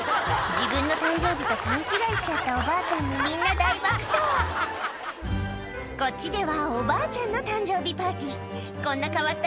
自分の誕生日と勘違いしちゃったおばあちゃんにみんな大爆笑こっちではおばあちゃんの誕生日パーティーこんな変わった